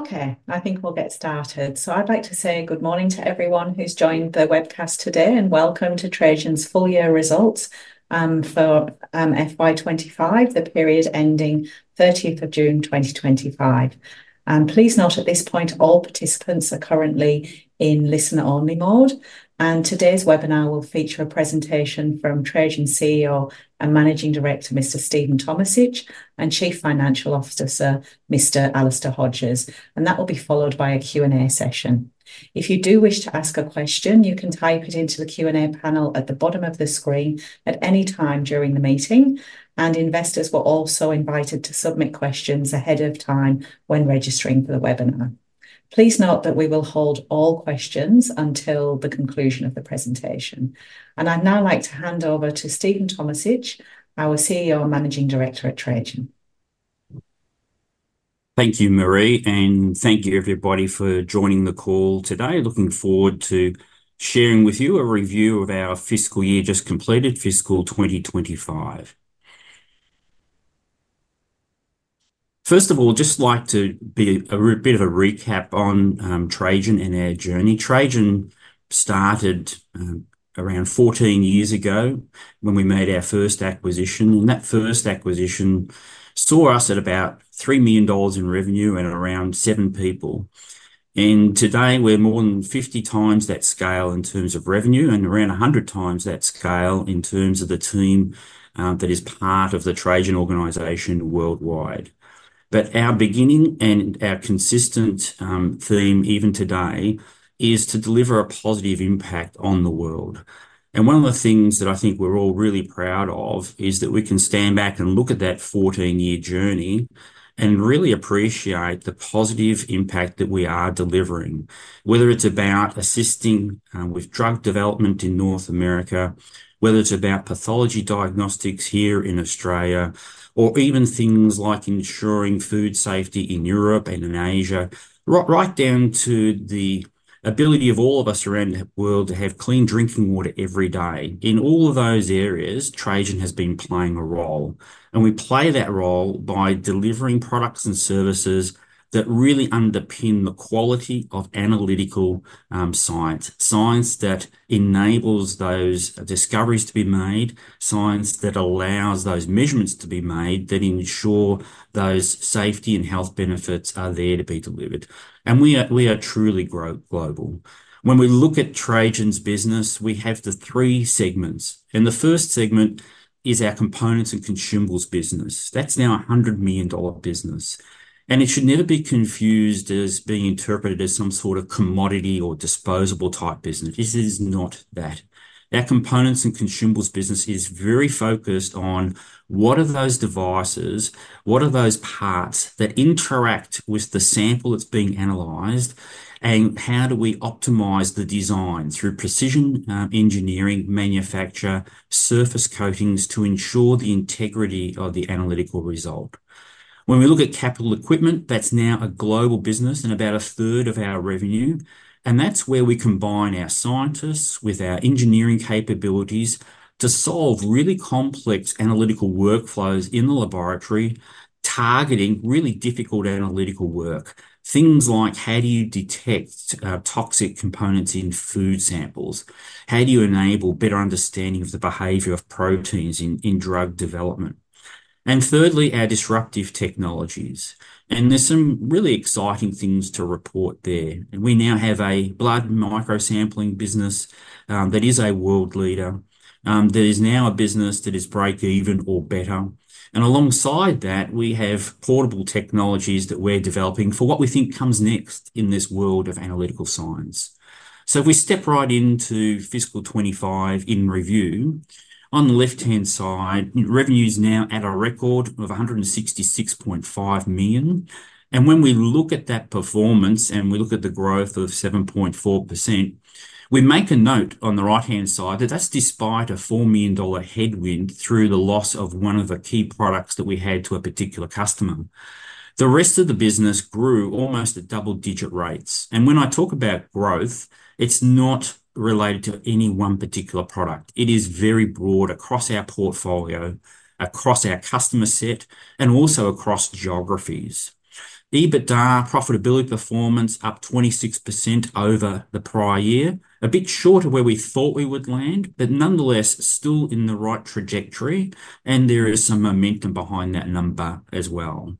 OK, I think we'll get started. I'd like to say good morning to everyone who's joined the webcast today and welcome to Trajan Group Holdings Limited's full-year results for FY 2025, the period ending 30th of June 2025. Please note at this point all participants are currently in listener-only mode. Today's webinar will feature a presentation from Trajan CEO and Managing Director, Mr. Stephen Tomisich, and Chief Financial Officer, Mr. Alister Hodges. That will be followed by a Q&A session. If you do wish to ask a question, you can type it into the Q&A panel at the bottom of the screen at any time during the meeting. Investors were also invited to submit questions ahead of time when registering for the webinar. Please note that we will hold all questions until the conclusion of the presentation. I'd now like to hand over to Stephen Tomisich, our CEO and Managing Director at Trajan. Thank you, Marie. Thank you, everybody, for joining the call today. Looking forward to sharing with you a review of our fiscal year just completed, fiscal 2025. First of all, I'd just like to be a bit of a recap on Trajan and our journey. Trajan started around 14 years ago when we made our first acquisition. That first acquisition saw us at about $3 million in revenue and around seven people. Today, we're more than 50x that scale in terms of revenue and around 100x that scale in terms of the team that is part of the Trajan organization worldwide. Our beginning and our consistent theme, even today, is to deliver a positive impact on the world. One of the things that I think we're all really proud of is that we can stand back and look at that 14-year journey and really appreciate the positive impact that we are delivering, whether it's about assisting with drug development in North America, whether it's about pathology diagnostics here in Australia, or even things like ensuring food safety in Europe and in Asia, right down to the ability of all of us around the world to have clean drinking water every day. In all of those areas, Trajan has been playing a role. We play that role by delivering products and services that really underpin the quality of analytical science, science that enables those discoveries to be made, science that allows those measurements to be made, that ensure those safety and health benefits are there to be delivered. We are truly global. When we look at Trajan's business, we have the three segments. The first segment is our components and consumables business. That's now a $100 million business. It should never be confused as being interpreted as some sort of commodity or disposable type business. It is not that. Our components and consumables business is very focused on what are those devices, what are those parts that interact with the sample that's being analyzed, and how do we optimize the design through precision engineering, manufacture, surface coatings to ensure the integrity of the analytical result. When we look at capital equipment, that's now a global business and about a third of our revenue. That's where we combine our scientists with our engineering capabilities to solve really complex analytical workflows in the laboratory, targeting really difficult analytical work, things like how do you detect toxic components in food samples? How do you enable better understanding of the behavior of proteins in drug development? Thirdly, our disruptive technologies. There are some really exciting things to report there. We now have a blood microsampling business that is a world leader. There is now a business that is breakeven or better. Alongside that, we have portable technologies that we're developing for what we think comes next in this world of analytical science. If we step right into fiscal 2025 in review, on the left-hand side, revenue is now at a record of $166.5 million. When we look at that performance and we look at the growth of 7.4%, we make a note on the right-hand side that that's despite a $4 million headwind through the loss of one of the key products that we had to a particular customer. The rest of the business grew almost at double-digit rates. When I talk about growth, it's not related to any one particular product. It is very broad across our portfolio, across our customer set, and also across geographies. EBITDA, profitability performance, up 26% over the prior year, a bit short of where we thought we would land, but nonetheless still in the right trajectory. There is some momentum behind that number as well.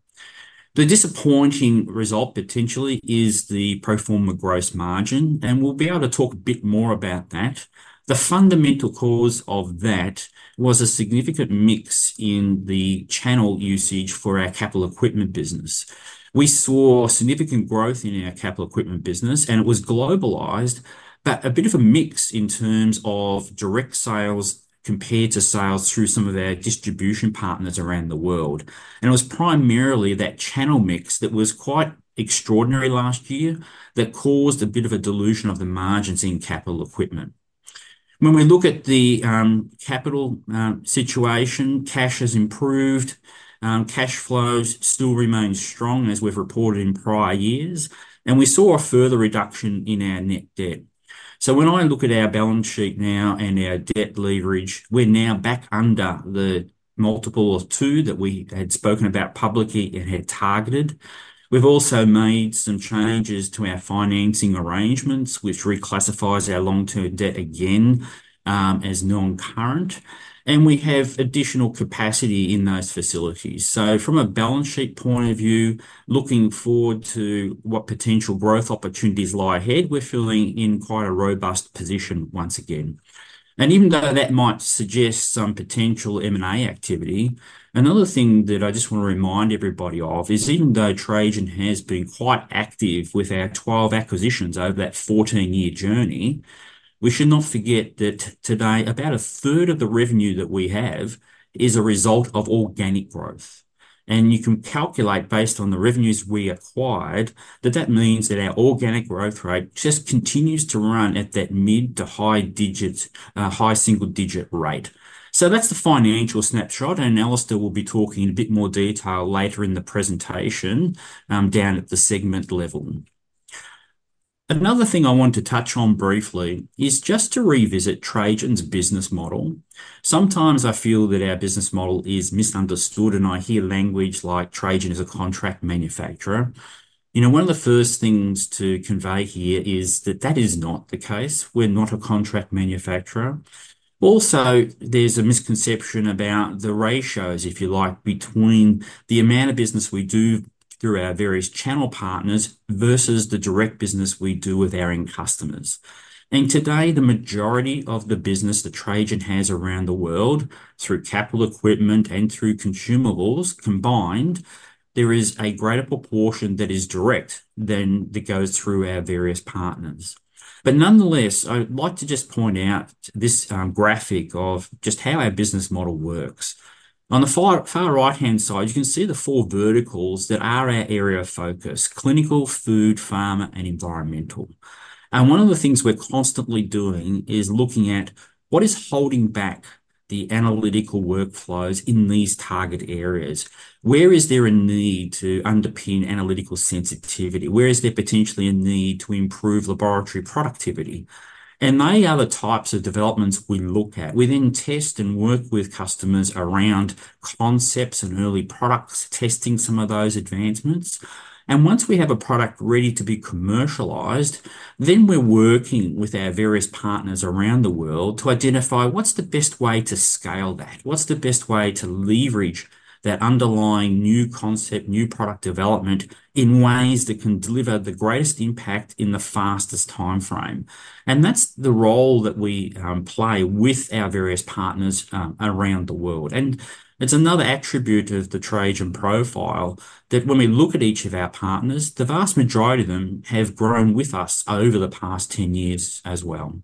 The disappointing result potentially is the pro forma gross margin. We will be able to talk a bit more about that. The fundamental cause of that was a significant mix in the channel usage for our capital equipment business. We saw significant growth in our capital equipment business, and it was globalized, but a bit of a mix in terms of direct sales compared to sales through some of our distribution partners around the world. It was primarily that channel mix that was quite extraordinary last year that caused a bit of a dilution of the margins in capital equipment. When we look at the capital situation, cash has improved. Cash flows still remain strong as we've reported in prior years. We saw a further reduction in our net debt. When I look at our balance sheet now and our debt leverage, we're now back under the multiple of two that we had spoken about publicly and had targeted. We've also made some changes to our financing arrangements, which reclassifies our long-term debt again as non-current. We have additional capacity in those facilities. From a balance sheet point of view, looking forward to what potential growth opportunities lie ahead, we're feeling in quite a robust position once again. Even though that might suggest some potential M&A activity, another thing that I just want to remind everybody of is even though Trajan has been quite active with our 12 acquisitions over that 14-year journey, we should not forget that today about a third of the revenue that we have is a result of organic growth. You can calculate based on the revenues we acquired that that means our organic growth rate just continues to run at that mid to high single-digit rate. That's the financial snapshot. Alister will be talking in a bit more detail later in the presentation down at the segment level. Another thing I want to touch on briefly is just to revisit Trajan's business model. Sometimes I feel that our business model is misunderstood, and I hear language like Trajan is a contract manufacturer. One of the first things to convey here is that that is not the case. We're not a contract manufacturer. Also, there's a misconception about the ratios, if you like, between the amount of business we do through our various channel partners versus the direct business we do with our end customers. Today, the majority of the business that Trajan has around the world through capital equipment and through consumables combined, there is a greater proportion that is direct than that goes through our various partners. Nonetheless, I would like to just point out this graphic of just how our business model works. On the far right-hand side, you can see the four verticals that are our area of focus: clinical, food, pharma, and environmental. One of the things we're constantly doing is looking at what is holding back the analytical workflows in these target areas. Where is there a need to underpin analytical sensitivity? Where is there potentially a need to improve laboratory productivity? They are the types of developments we look at. We then test and work with customers around concepts and early products, testing some of those advancements. Once we have a product ready to be commercialized, then we're working with our various partners around the world to identify what's the best way to scale that, what's the best way to leverage that underlying new concept, new product development in ways that can deliver the greatest impact in the fastest time frame. That's the role that we play with our various partners around the world. It's another attribute of the Trajan profile that when we look at each of our partners, the vast majority of them have grown with us over the past 10 years as well.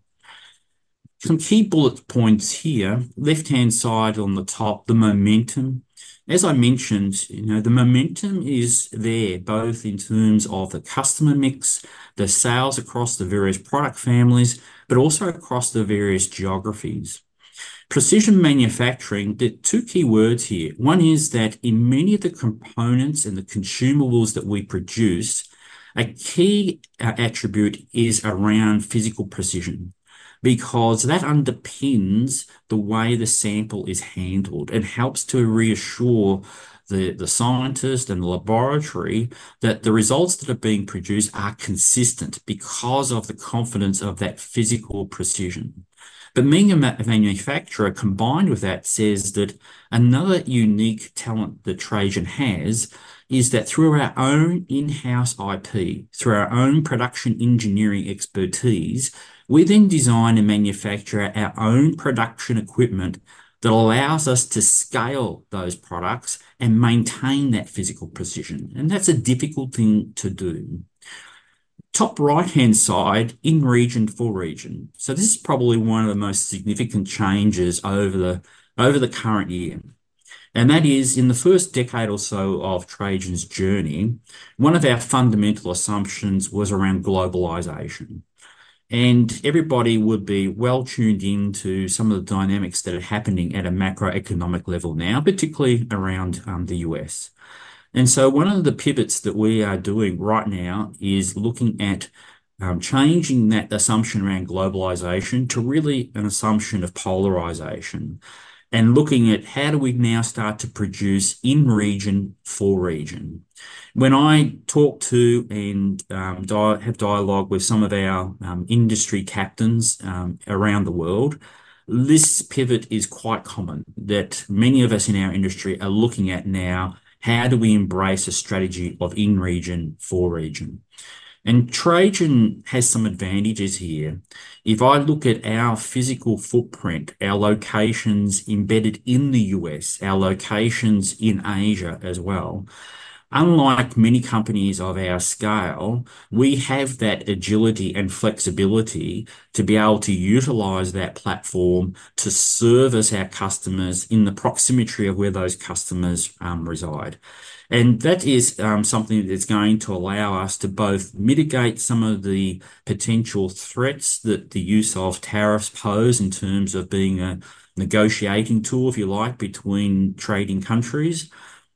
Some key bullet points here, left-hand side on the top, the momentum. As I mentioned, the momentum is there both in terms of the customer mix, the sales across the various product families, but also across the various geographies. Precision manufacturing, there are two key words here. One is that in many of the components and consumables that we produce, a key attribute is around physical precision because that underpins the way the sample is handled and helps to reassure the scientists and the laboratory that the results that are being produced are consistent because of the confidence of that physical precision. Being a manufacturer combined with that says that another unique talent that Trajan has is that through our own in-house IP, through our own production engineering expertise, we then design and manufacture our own production equipment that allows us to scale those products and maintain that physical precision. That's a difficult thing to do. Top right-hand side, in region for region. This is probably one of the most significant changes over the current year. In the first decade or so of Trajan's journey, one of our fundamental assumptions was around globalization. Everybody would be well tuned into some of the dynamics that are happening at a macroeconomic level now, particularly around the U.S. One of the pivots that we are doing right now is looking at changing that assumption around globalization to really an assumption of polarization and looking at how do we now start to produce in region for region. When I talk to and have dialogue with some of our industry captains around the world, this pivot is quite common that many of us in our industry are looking at now how do we embrace a strategy of in region for region. Trajan has some advantages here. If I look at our physical footprint, our locations embedded in the U.S., our locations in Asia as well, unlike many companies of our scale, we have that agility and flexibility to be able to utilize that platform to service our customers in the proximity of where those customers reside. That is something that's going to allow us to both mitigate some of the potential threats that the use of tariffs pose in terms of being a negotiating tool, if you like, between trading countries,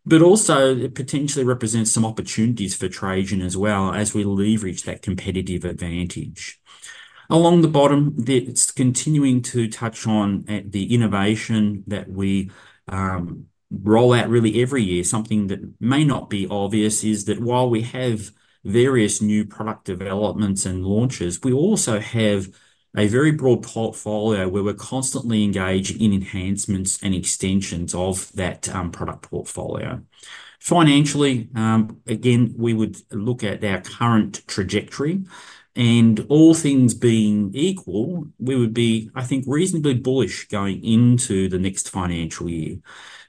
but also it potentially represents some opportunities for Trajan as well as we leverage that competitive advantage. Along the bottom, it's continuing to touch on the innovation that we roll out really every year. Something that may not be obvious is that while we have various new product developments and launches, we also have a very broad portfolio where we're constantly engaging in enhancements and extensions of that product portfolio. Financially, again, we would look at our current trajectory. All things being equal, we would be, I think, reasonably bullish going into the next financial year.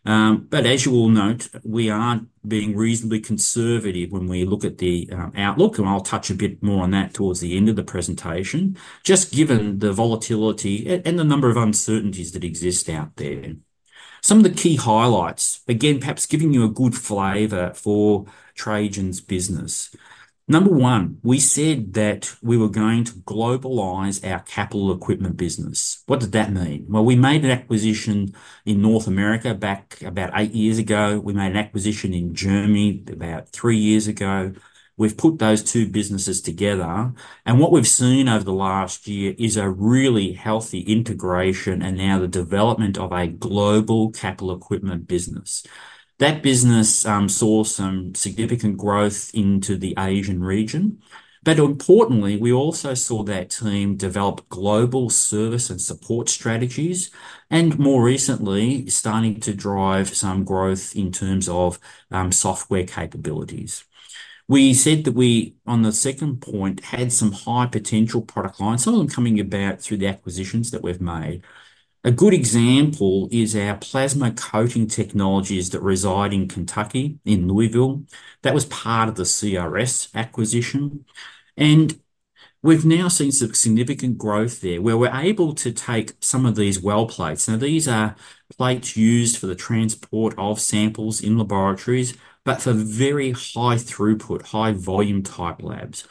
As you all note, we are being reasonably conservative when we look at the outlook. I'll touch a bit more on that towards the end of the presentation, just given the volatility and the number of uncertainties that exist out there. Some of the key highlights, again, perhaps giving you a good flavor for Trajan's business. Number one, we said that we were going to globalize our capital equipment business. What did that mean? We made an acquisition in North America back about eight years ago. We made an acquisition in Germany about three years ago. We've put those two businesses together. What we've seen over the last year is a really healthy integration and now the development of a global capital equipment business. That business saw some significant growth into the Asian region. Importantly, we also saw that team develop global service and support strategies and more recently starting to drive some growth in terms of software capabilities. We said that we, on the second point, had some high potential product lines, some of them coming about through the acquisitions that we've made. A good example is our plasma coating technologies that reside in Kentucky in Louisville. That was part of the Chromatography Research Supplies acquisition. We've now seen some significant growth there where we're able to take some of these well plates. These are plates used for the transport of samples in laboratories, but for very high throughput, high volume type labs.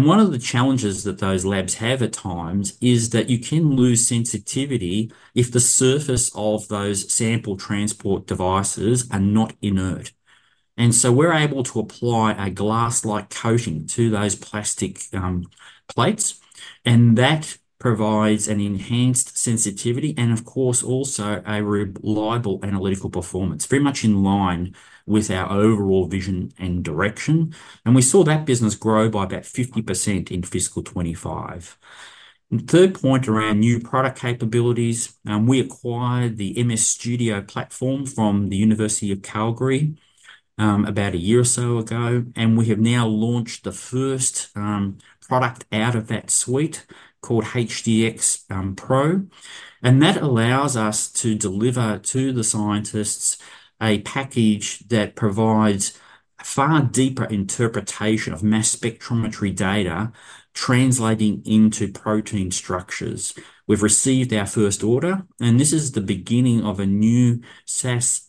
One of the challenges that those labs have at times is that you can lose sensitivity if the surface of those sample transport devices is not inert. We are able to apply a glass-like coating to those plastic plates. That provides an enhanced sensitivity and, of course, also a reliable analytical performance, very much in line with our overall vision and direction. We saw that business grow by about 50% in fiscal 2025. The third point around new product capabilities, we acquired the MS Studio platform from the University of Calgary about a year or so ago. We have now launched the first product out of that suite called HDX Pro. That allows us to deliver to the scientists a package that provides a far deeper interpretation of mass spectrometry data translating into protein structures. We've received our first order. This is the beginning of a new SaaS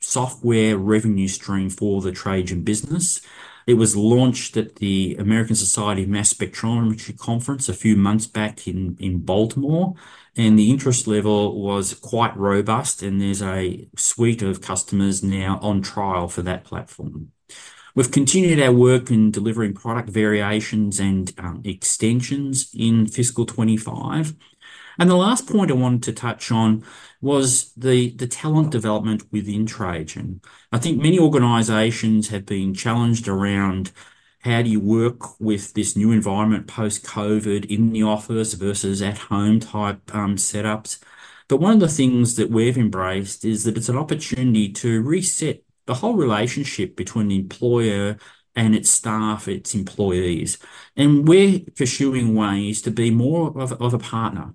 software revenue stream for the Trajan business. It was launched at the American Society of Mass Spectrometry Conference a few months back in Baltimore. The interest level was quite robust. There is a suite of customers now on trial for that platform. We've continued our work in delivering product variations and extensions in fiscal 2025. The last point I wanted to touch on was the talent development within Trajan. I think many organizations have been challenged around how do you work with this new environment post-COVID in the office versus at-home type setups. One of the things that we've embraced is that it's an opportunity to reset the whole relationship between the employer and its staff, its employees. We're pursuing ways to be more of a partner.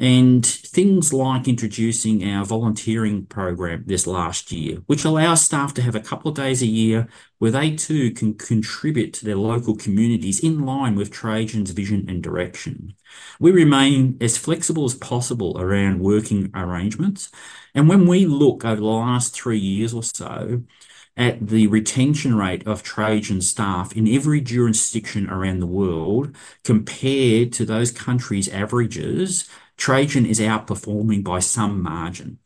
Things like introducing our volunteering program this last year, which allows staff to have a couple of days a year where they too can contribute to their local communities in line with Trajan's vision and direction. We remain as flexible as possible around working arrangements. When we look over the last three years or so at the retention rate of Trajan staff in every jurisdiction around the world, compared to those countries' averages, Trajan is outperforming by some margin.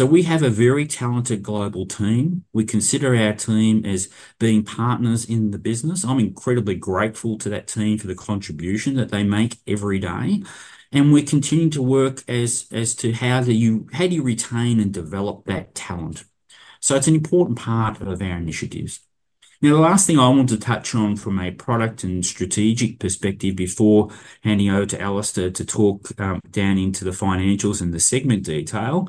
We have a very talented global team. We consider our team as being partners in the business. I'm incredibly grateful to that team for the contribution that they make every day. We continue to work as to how do you retain and develop that talent. It's an important part of our initiatives. Now, the last thing I want to touch on from a product and strategic perspective before handing over to Alister to talk down into the financials and the segment detail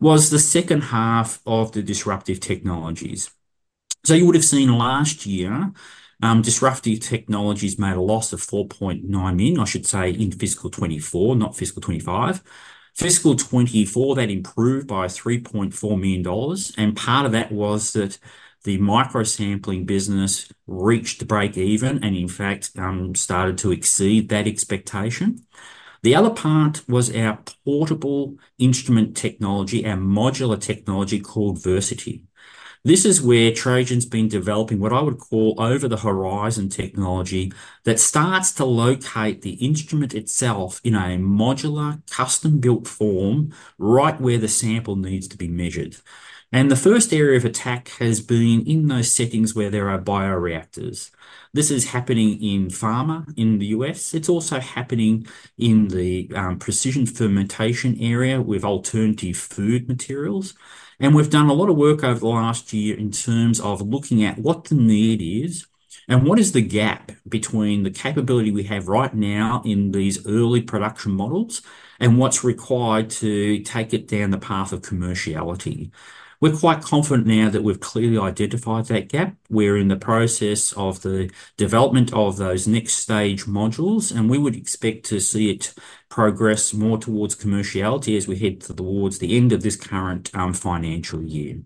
was the second half of the disruptive technologies. You would have seen last year, disruptive technologies made a loss of $4.9 million, I should say, in fiscal 2024, not fiscal 2025. Fiscal 2024, that improved by $3.4 million. Part of that was that the blood microsampling business reached breakeven and, in fact, started to exceed that expectation. The other part was our portable instrument technology, our modular technology called Versity. This is where Trajan's been developing what I would call over-the-horizon technology that starts to locate the instrument itself in a modular custom-built form right where the sample needs to be measured. The first area of attack has been in those settings where there are bioreactors. This is happening in pharma in the U.S. It's also happening in the precision fermentation area with alternative food materials. We've done a lot of work over the last year in terms of looking at what the need is and what is the gap between the capability we have right now in these early production models and what's required to take it down the path of commerciality. We're quite confident now that we've clearly identified that gap. We're in the process of the development of those next stage modules. We would expect to see it progress more towards commerciality as we head towards the end of this current financial year.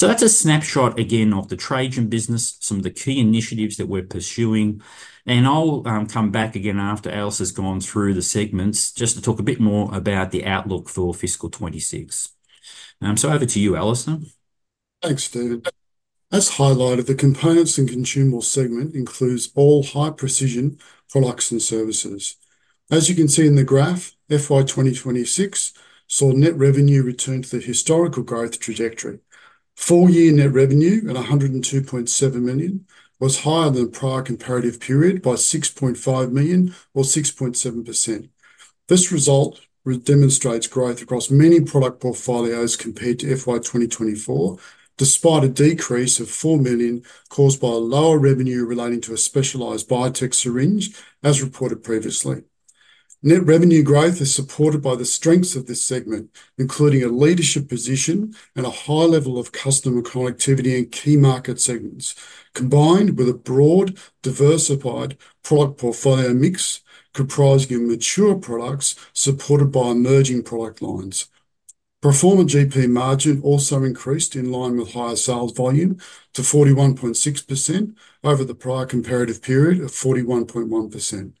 That's a snapshot again of the Trajan business, some of the key initiatives that we're pursuing. I'll come back again after Alister's gone through the segments just to talk a bit more about the outlook for fiscal 2026. Over to you, Alister. Thanks, Stephen. As highlighted, the components and consumables segment includes all high-precision products and services. As you can see in the graph, FY 2026 saw net revenue return to the historical growth trajectory. Four-year net revenue at $102.7 million was higher than the prior comparative period by $6.5 million or 6.7%. This result demonstrates growth across many product portfolios compared to FY 2024, despite a decrease of $4 million caused by a lower revenue relating to a specialized biotech syringe, as reported previously. Net revenue growth is supported by the strengths of this segment, including a leadership position and a high level of customer connectivity in key market segments, combined with a broad, diversified product portfolio mix comprising mature products supported by emerging product lines. Pro forma GP margin also increased in line with higher sales volume to 41.6% over the prior comparative period of 41.1%.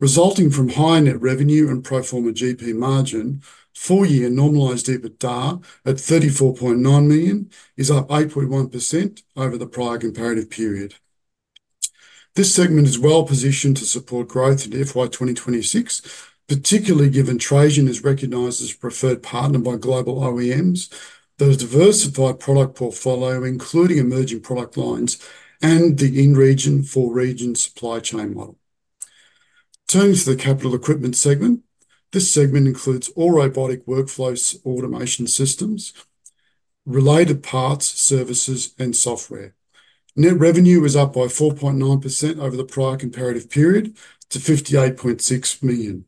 Resulting from high net revenue and pro forma GP margin, four-year normalized EBITDA at $34.9 million is up 8.1% over the prior comparative period. This segment is well-positioned to support growth in FY 2026, particularly given Trajan is recognized as a preferred partner by global OEMs, those diversified product portfolio, including emerging product lines, and the in-region for region supply chain model. Turning to the capital equipment segment, this segment includes all robotic workflows, automation systems, related parts, services, and software. Net revenue was up by 4.9% over the prior comparative period to $58.6 million.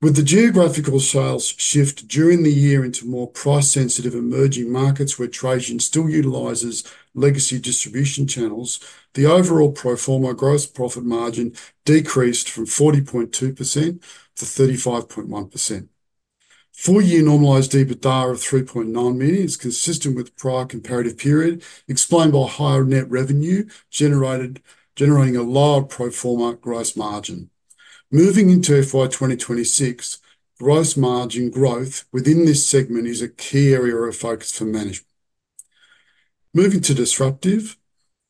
With the geographical sales shift during the year into more price-sensitive emerging markets where Trajan still utilizes legacy distribution channels, the overall pro forma gross profit margin decreased from 40.2%-35.1%. Four-year normalized EBITDA of $3.9 million is consistent with the prior comparative period, explained by higher net revenue generating a lower pro forma gross margin. Moving into FY 2026, gross margin growth within this segment is a key area of focus for management. Moving to disruptive,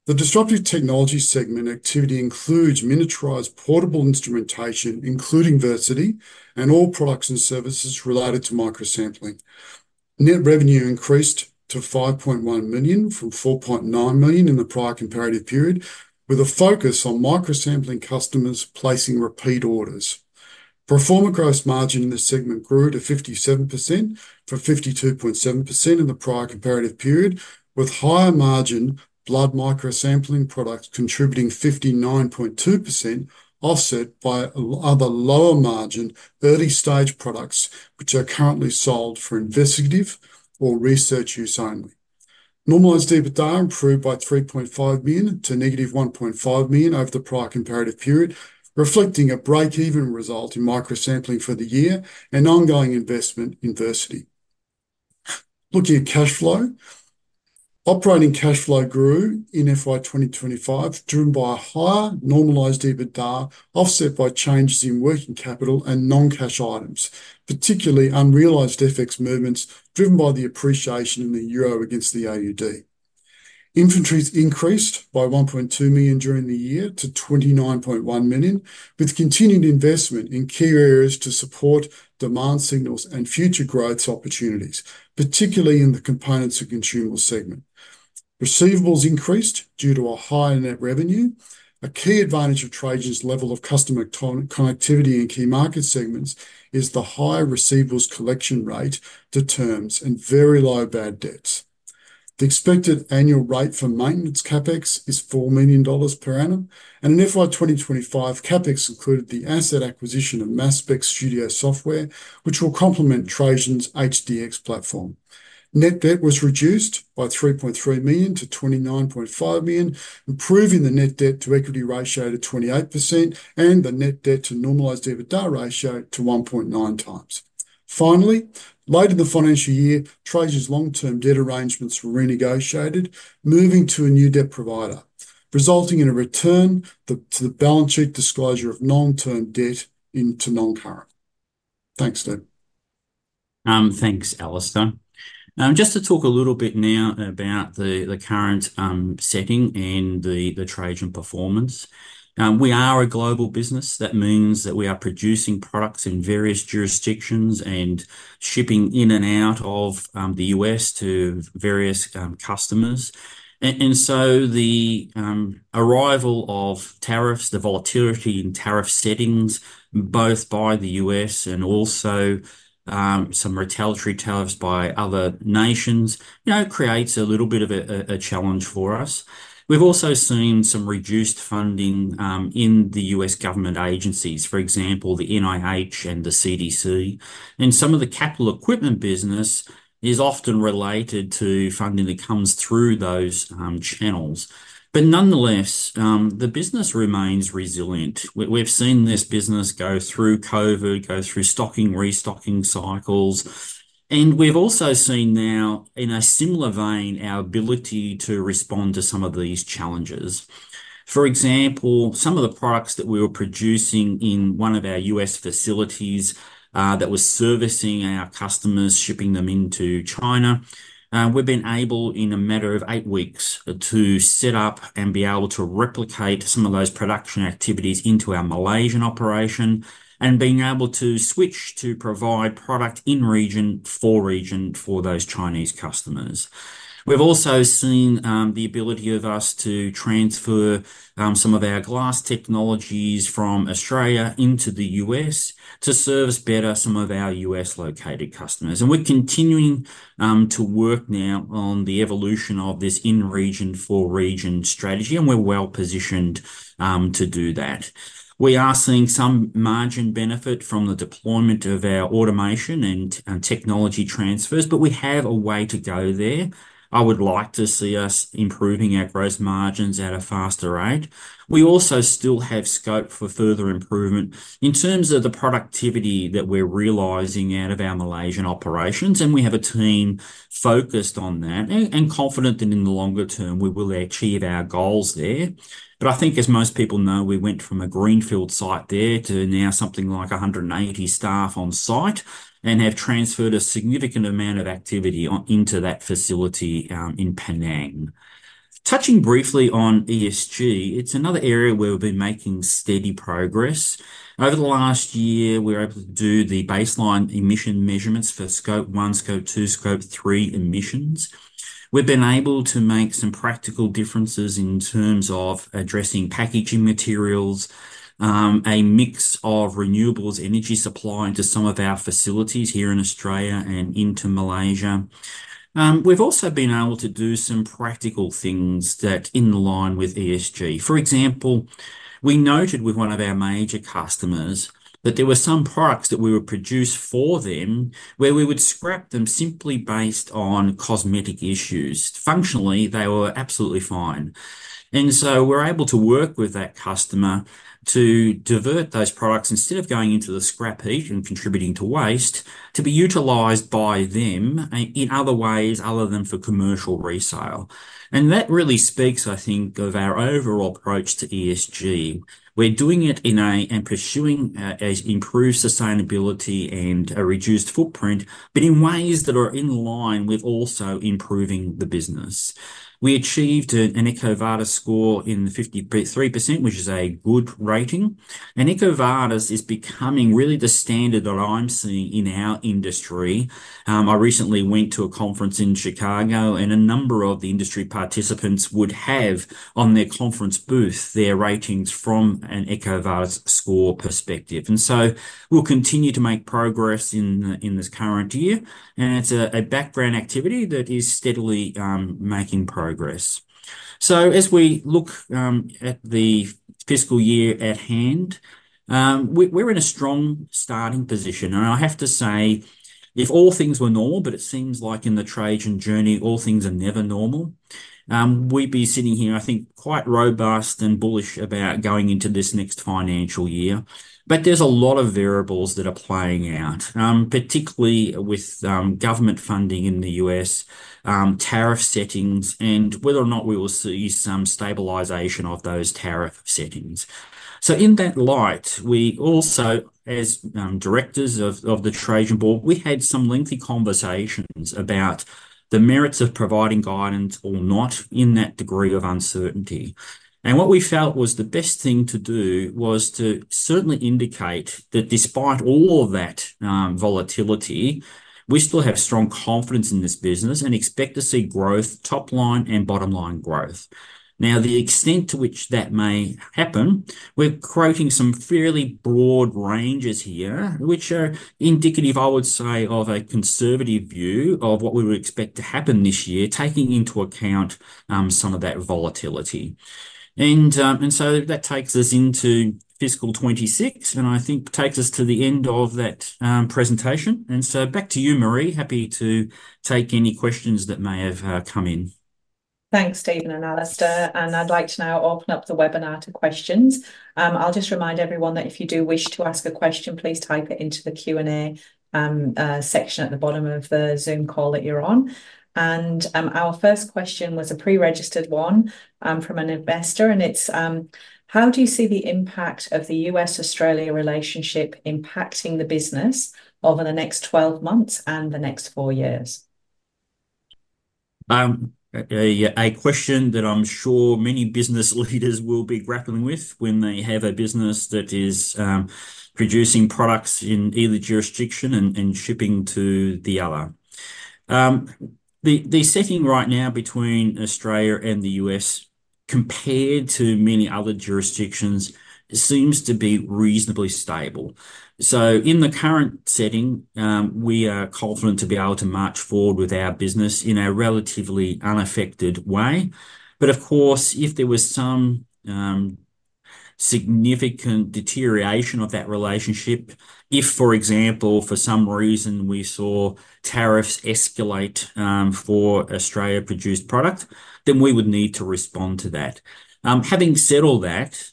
the disruptive technology segment activity includes miniaturized portable instrumentation, including Versity, and all products and services related to microsampling. Net revenue increased to $5.1 million from $4.9 million in the prior comparative period, with a focus on microsampling customers placing repeat orders. Pro forma gross margin in this segment grew to 57% from 52.7% in the prior comparative period, with higher margin blood microsampling products contributing 59.2% offset by the lower margin early-stage products, which are currently sold for investigative or research use only. Normalized EBITDA improved by $3.5 million--$1.5 million over the prior comparative period, reflecting a breakeven result in microsampling for the year and ongoing investment in Versity. Looking at cash flow, operating cash flow grew in FY 2025, driven by a higher normalized EBITDA offset by changes in working capital and non-cash items, particularly unrealized FX movements driven by the appreciation in the euro against the AUD. Inventories increased by $1.2 million during the year to $29.1 million, with continued investment in key areas to support demand signals and future growth opportunities, particularly in the components and consumables segment. Receivables increased due to a higher net revenue. A key advantage of Trajan's level of customer connectivity in key market segments is the high receivables collection rate to terms and very low bad debts. The expected annual rate for maintenance capex is $4 million per annum. In FY 2025, capex included the asset acquisition of Mass Spec Studio Software, which will complement Trajan's HDX platform. Net debt was reduced by $3.3 million-$29.5 million, improving the net debt-to-equity ratio to 28% and the net debt-to-normalized EBITDA ratio to 1.9x. Finally, later in the financial year, Trajan's long-term debt arrangements were renegotiated, moving to a new debt provider, resulting in a return to the balance sheet disclosure of long-term debt into non-current. Thanks, Steve. Thanks, Alister. Just to talk a little bit now about the current setting and the Trajan performance. We are a global business. That means that we are producing products in various jurisdictions and shipping in and out of the U.S. to various customers. The arrival of tariffs, the volatility in tariff settings, both by the U.S. and also some retaliatory tariffs by other nations, creates a little bit of a challenge for us. We've also seen some reduced funding in U.S. government agencies, for example, the NIH and the CDC. Some of the capital equipment business is often related to funding that comes through those channels. Nonetheless, the business remains resilient. We've seen this business go through COVID, go through stocking, restocking cycles. We've also seen now, in a similar vein, our ability to respond to some of these challenges. For example, some of the products that we were producing in one of our U.S. facilities that was servicing our customers, shipping them into China, we've been able, in a matter of eight weeks, to set up and be able to replicate some of those production activities into our Malaysian operation and being able to switch to provide product in region for region for those Chinese customers. We've also seen the ability of us to transfer some of our glass technologies from Australia into the U.S. to service better some of our U.S.-located customers. We're continuing to work now on the evolution of this in-region for region strategy, and we're well-positioned to do that. We are seeing some margin benefit from the deployment of our automation and technology transfers, but we have a way to go there. I would like to see us improving our gross margins at a faster rate. We also still have scope for further improvement in terms of the productivity that we're realizing out of our Malaysian operations. We have a team focused on that and confident that in the longer term, we will achieve our goals there. I think, as most people know, we went from a greenfield site there to now something like 180 staff on site and have transferred a significant amount of activity into that facility in Penang. Touching briefly on ESG, it's another area where we've been making steady progress. Over the last year, we were able to do the baseline emission measurements for Scope 1, Scope 2, Scope 3 emissions. We've been able to make some practical differences in terms of addressing packaging materials, a mix of renewables, energy supply into some of our facilities here in Australia and into Malaysia. We've also been able to do some practical things that are in line with ESG. For example, we noted with one of our major customers that there were some products that we would produce for them where we would scrap them simply based on cosmetic issues. Functionally, they were absolutely fine. We were able to work with that customer to divert those products instead of going into the scrap heap and contributing to waste, to be utilized by them in other ways other than for commercial resale. That really speaks, I think, of our overall approach to ESG. We're doing it and pursuing an improved sustainability and a reduced footprint, but in ways that are in line with also improving the business. We achieved an EcoVadis score in the 53%, which is a good rating. EcoVadis is becoming really the standard that I'm seeing in our industry. I recently went to a conference in Chicago, and a number of the industry participants would have on their conference booth their ratings from an EcoVadis score perspective. We'll continue to make progress in this current year. It's a background activity that is steadily making progress. As we look at the fiscal year at hand, we're in a strong starting position. I have to say, if all things were normal, it seems like in the Trajan journey, all things are never normal, we'd be sitting here, I think, quite robust and bullish about going into this next financial year. There are a lot of variables that are playing out, particularly with government funding in the U.S., tariff settings, and whether or not we will see some stabilization of those tariff settings. In that light, as directors of the Trajan board, we had some lengthy conversations about the merits of providing guidance or not in that degree of uncertainty. What we felt was the best thing to do was to certainly indicate that despite all of that volatility, we still have strong confidence in this business and expect to see growth, top line and bottom line growth. The extent to which that may happen, we're quoting some fairly broad ranges here, which are indicative, I would say, of a conservative view of what we would expect to happen this year, taking into account some of that volatility. That takes us into fiscal 2026, and I think takes us to the end of that presentation. Back to you, Marie. Happy to take any questions that may have come in. Thanks, Stephen and Alister. I'd like to now open up the webinar to questions. I'll just remind everyone that if you do wish to ask a question, please type it into the Q&A section at the bottom of the Zoom call that you're on. Our first question was a pre-registered one from an investor. It's, how do you see the impact of the U.S.-Australia relationship impacting the business over the next 12 months and the next four years? A question that I'm sure many business leaders will be grappling with when they have a business that is producing products in either jurisdiction and shipping to the other. The setting right now between Australia and the U.S., compared to many other jurisdictions, seems to be reasonably stable. In the current setting, we are confident to be able to march forward with our business in a relatively unaffected way. Of course, if there was some significant deterioration of that relationship, if, for example, for some reason we saw tariffs escalate for Australia-produced product, then we would need to respond to that. Having said all that,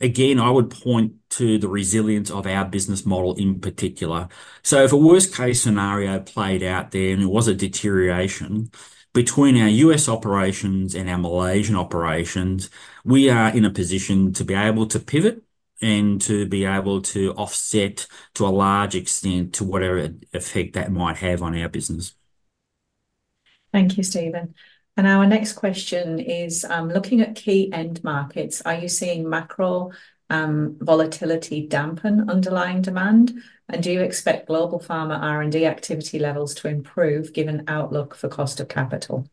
again, I would point to the resilience of our business model in particular. If a worst-case scenario played out there and it was a deterioration between our U.S. operations and our Malaysian operations, we are in a position to be able to pivot and to be able to offset to a large extent to whatever effect that might have on our business. Thank you, Stephen. Our next question is, looking at key end markets, are you seeing macro volatility dampen underlying demand? Do you expect global pharma R&D activity levels to improve given outlook for cost of capital?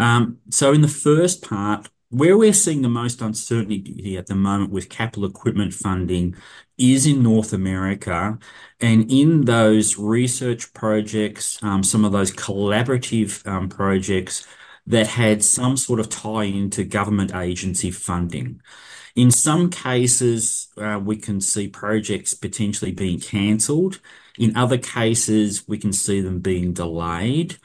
In the first part, where we're seeing the most uncertainty here at the moment with capital equipment funding is in North America. In those research projects, some of those collaborative projects had some sort of tie-in to government agency funding. In some cases, we can see projects potentially being canceled. In other cases, we can see them being delayed.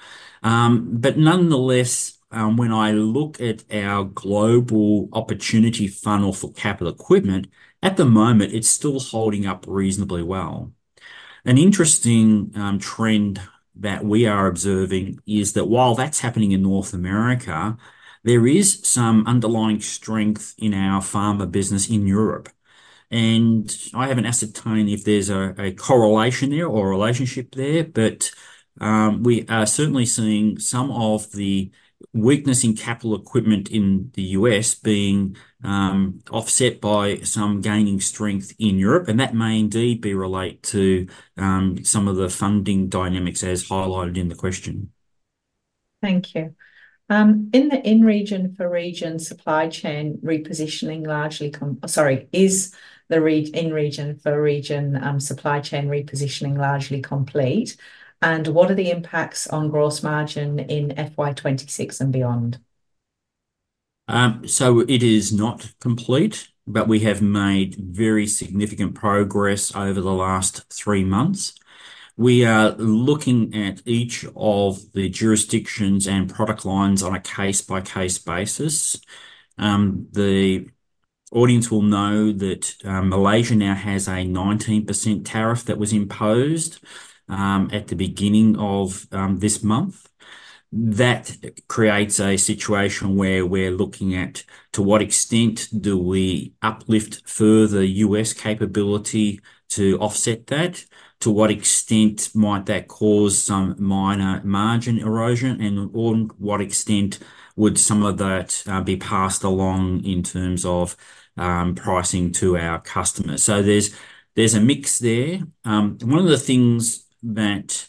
Nonetheless, when I look at our global opportunity funnel for capital equipment, at the moment, it's still holding up reasonably well. An interesting trend that we are observing is that while that's happening in North America, there is some underlying strength in our pharma business in Europe. I haven't asked Tony if there's a correlation there or a relationship there, but we are certainly seeing some of the weakness in capital equipment in the U.S. being offset by some gaining strength in Europe. That may indeed be related to some of the funding dynamics as highlighted in the question. Thank you. Is the in-region for region supply chain repositioning largely complete, and what are the impacts on gross margin in FY 2026 and beyond? It is not complete, but we have made very significant progress over the last three months. We are looking at each of the jurisdictions and product lines on a case-by-case basis. The audience will know that Malaysia now has a 19% tariff that was imposed at the beginning of this month. That creates a situation where we're looking at to what extent do we uplift further U.S. capability to offset that? To what extent might that cause some minor margin erosion? On what extent would some of that be passed along in terms of pricing to our customers? There's a mix there. One of the things that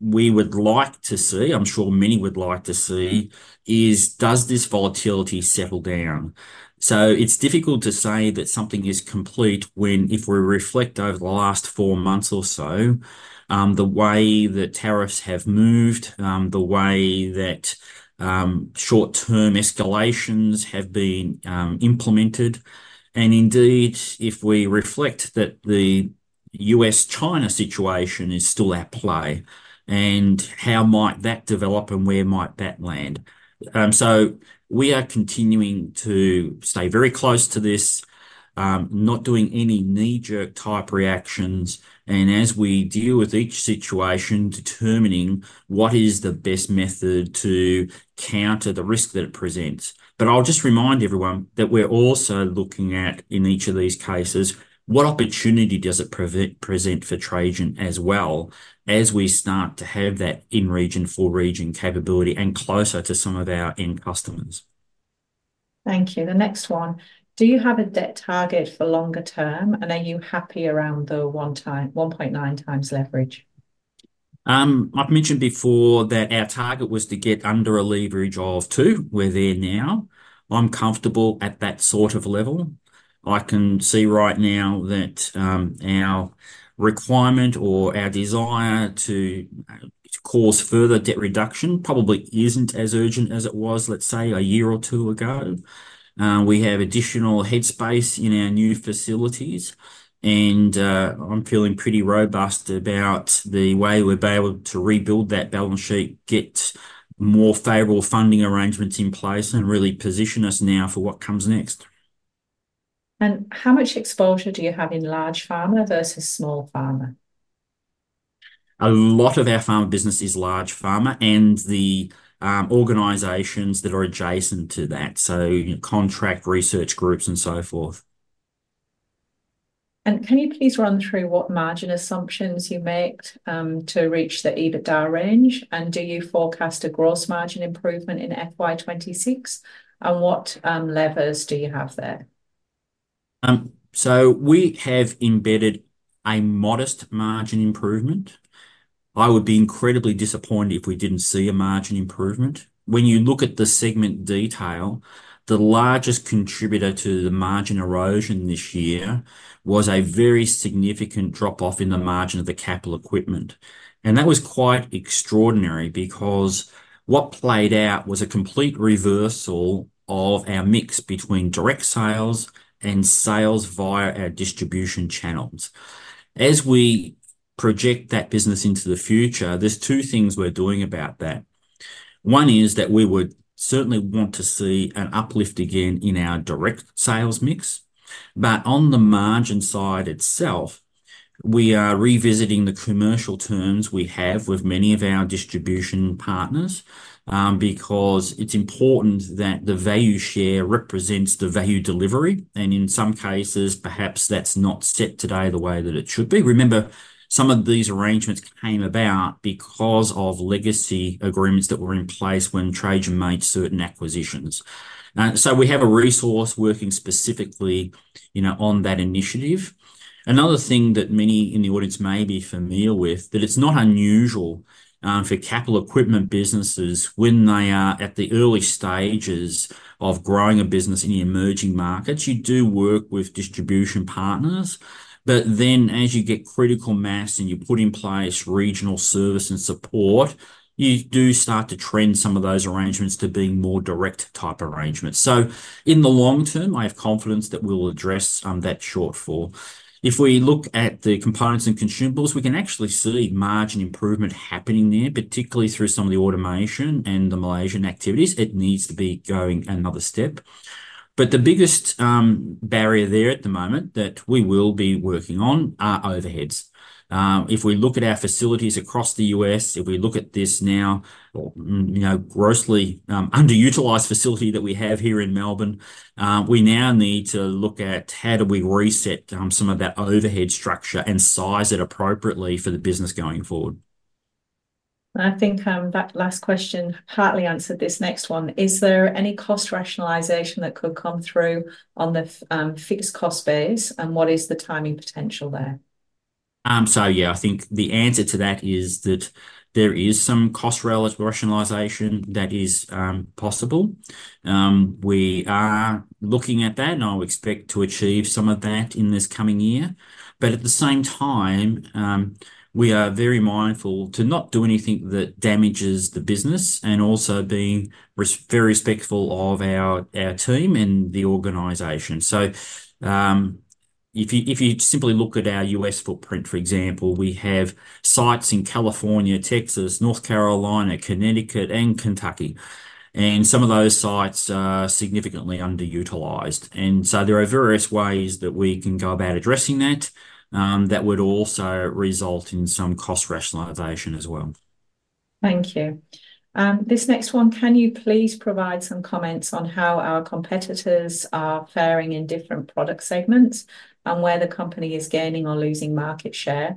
we would like to see, I'm sure many would like to see, is does this volatility settle down? It's difficult to say that something is complete when, if we reflect over the last four months or so, the way that tariffs have moved, the way that short-term escalations have been implemented. If we reflect that the U.S.-China situation is still at play, and how might that develop and where might that land? We are continuing to stay very close to this, not doing any knee-jerk type reactions. As we deal with each situation, determining what is the best method to counter the risk that it presents. I'll just remind everyone that we're also looking at in each of these cases, what opportunity does it present for Trajan as well as we start to have that in-region for region capability and closer to some of our end customers? Thank you. The next one, do you have a debt target for longer term? Are you happy around the 1.9x leverage? I've mentioned before that our target was to get under a leverage of two. We're there now. I'm comfortable at that sort of level. I can see right now that our requirement or our desire to cause further debt reduction probably isn't as urgent as it was, let's say, a year or two ago. We have additional headspace in our new facilities. I'm feeling pretty robust about the way we'll be able to rebuild that balance sheet, get more favorable funding arrangements in place, and really position us now for what comes next. How much exposure do you have in large pharma versus small pharma? A lot of our pharma business is large pharma and the organizations that are adjacent to that, so contract research groups and so forth. Can you please run through what margin assumptions you make to reach the EBITDA range? Do you forecast a gross margin improvement in FY 2026? What levers do you have there? We have embedded a modest margin improvement. I would be incredibly disappointed if we didn't see a margin improvement. When you look at the segment detail, the largest contributor to the margin erosion this year was a very significant drop-off in the margin of the capital equipment. That was quite extraordinary because what played out was a complete reversal of our mix between direct sales and sales via our distribution channels. As we project that business into the future, there are two things we're doing about that. One is that we would certainly want to see an uplift again in our direct sales mix. On the margin side itself, we are revisiting the commercial terms we have with many of our distribution partners because it's important that the value share represents the value delivery. In some cases, perhaps that's not set today the way that it should be. Remember, some of these arrangements came about because of legacy agreements that were in place when Trajan made certain acquisitions. We have a resource working specifically on that initiative. Another thing that many in the audience may be familiar with, it's not unusual for capital equipment businesses when they are at the early stages of growing a business in the emerging markets, you do work with distribution partners. As you get critical mass and you put in place regional service and support, you do start to trend some of those arrangements to being more direct type arrangements. In the long term, I have confidence that we'll address that shortfall. If we look at the components and consumables, we can actually see margin improvement happening there, particularly through some of the automation and the Malaysian activities. It needs to be going another step. The biggest barrier there at the moment that we will be working on are overheads. If we look at our facilities across the U.S., if we look at this now, grossly underutilized facility that we have here in Melbourne, we now need to look at how do we reset some of that overhead structure and size it appropriately for the business going forward. I think that last question partly answered this next one. Is there any cost rationalization that could come through on the fixed cost base? What is the timing potential there? I think the answer to that is that there is some cost rationalization that is possible. We are looking at that, and I expect to achieve some of that in this coming year. At the same time, we are very mindful to not do anything that damages the business and also being very respectful of our team and the organization. If you simply look at our U.S. footprint, for example, we have sites in California, Texas, North Carolina, Connecticut, and Kentucky. Some of those sites are significantly underutilized, and there are various ways that we can go about addressing that that would also result in some cost rationalization as well. Thank you. This next one, can you please provide some comments on how our competitors are faring in different product segments and where the company is gaining or losing market share?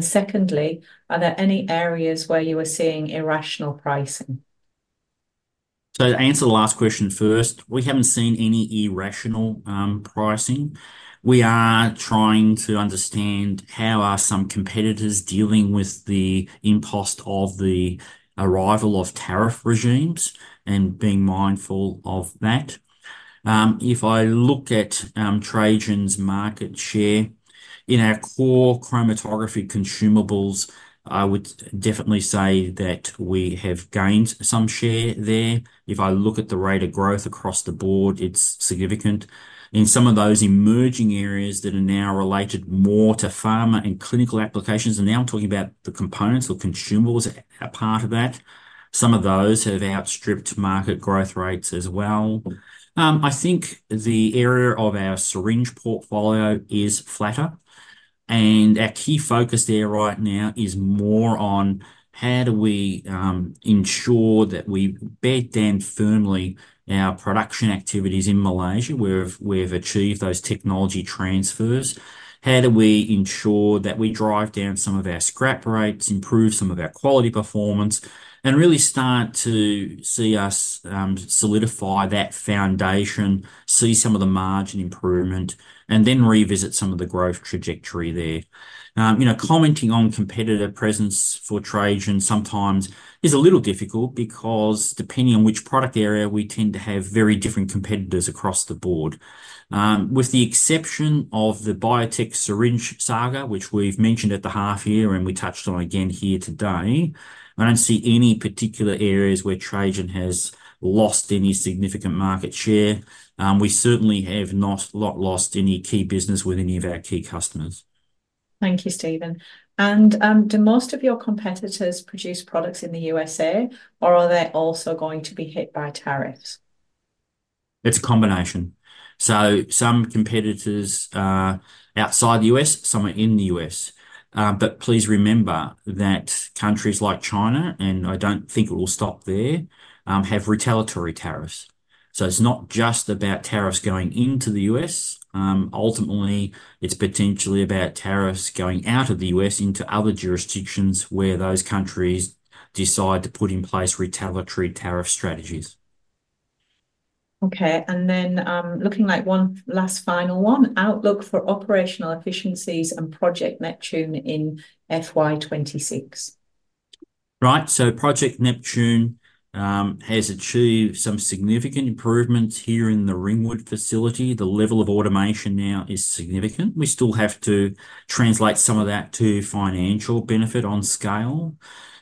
Secondly, are there any areas where you are seeing irrational pricing? To answer the last question first, we haven't seen any irrational pricing. We are trying to understand how some competitors are dealing with the impost of the arrival of tariff regimes and being mindful of that. If I look at Trajan's market share in our core chromatography consumables, I would definitely say that we have gained some share there. If I look at the rate of growth across the board, it's significant. In some of those emerging areas that are now related more to pharma and clinical applications, and now I'm talking about the components or consumables as part of that, some of those have outstripped market growth rates as well. I think the area of our syringe portfolio is flatter. Our key focus there right now is more on how we ensure that we bed down firmly our production activities in Malaysia where we've achieved those technology transfers. How do we ensure that we drive down some of our scrap rates, improve some of our quality performance, and really start to see us solidify that foundation, see some of the margin improvement, and then revisit some of the growth trajectory there. Commenting on competitor presence for Trajan sometimes is a little difficult because depending on which product area, we tend to have very different competitors across the board. With the exception of the biotech syringe saga, which we've mentioned at the half year and we touched on again here today, I don't see any particular areas where Trajan has lost any significant market share. We certainly have not lost any key business with any of our key customers. Thank you, Stephen. Do most of your competitors produce products in the U.S., or are they also going to be hit by tariffs? It's a combination. Some competitors are outside the U.S., some are in the U.S. Please remember that countries like China, and I don't think it will stop there, have retaliatory tariffs. It's not just about tariffs going into the U.S. Ultimately, it's potentially about tariffs going out of the U.S. into other jurisdictions where those countries decide to put in place retaliatory tariff strategies. Okay. Looking at one last final one, outlook for operational efficiencies and Project Neptune in FY 2026. Right. Project Neptune has achieved some significant improvements here in the Ringwood facility. The level of automation now is significant. We still have to translate some of that to financial benefit on scale.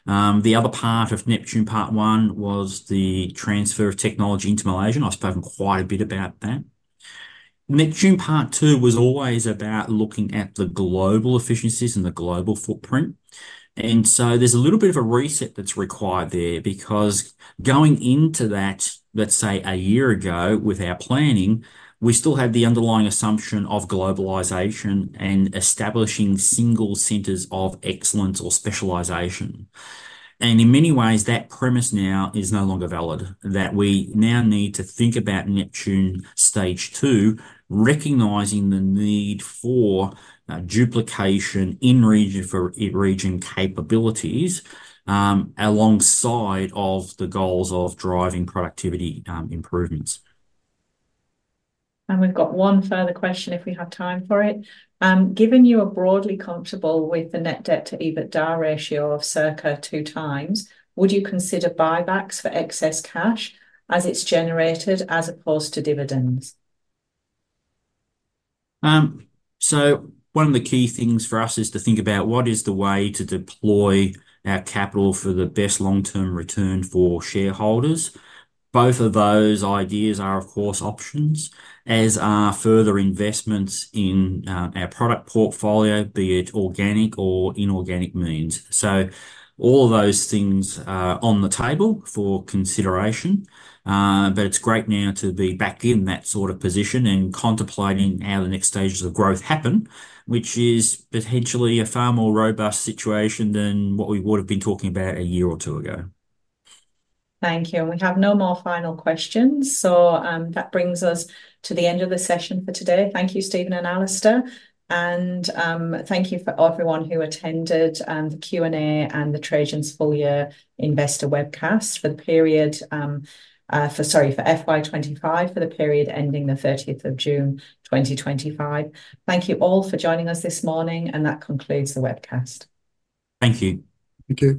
The other part of Neptune Part 1 was the transfer of technology into Malaysia. I've spoken quite a bit about that. Neptune Part 2 was always about looking at the global efficiencies and the global footprint. There's a little bit of a reset that's required there because going into that, let's say a year ago with our planning, we still had the underlying assumption of globalization and establishing single centers of excellence or specialization. In many ways, that premise now is no longer valid, that we now need to think about Neptune Stage 2, recognizing the need for duplication in region for region capabilities, alongside the goals of driving productivity improvements. We've got one further question if we have time for it. Given you are broadly comfortable with the net debt to EBITDA ratio of circa 2x, would you consider buybacks for excess cash as it's generated as opposed to dividends? One of the key things for us is to think about what is the way to deploy our capital for the best long-term return for shareholders. Both of those ideas are, of course, options, as are further investments in our product portfolio, be it organic or inorganic means. All of those things are on the table for consideration. It's great now to be back in that sort of position and contemplating how the next stages of growth happen, which is potentially a far more robust situation than what we would have been talking about a year or two ago. Thank you. We have no more final questions. That brings us to the end of the session for today. Thank you, Stephen and Alister. Thank you to everyone who attended the Q&A and Trajan's full-year investor webcast for FY 2025, for the period ending June 30, 2025. Thank you all for joining us this morning. That concludes the webcast. Thank you. Thank you.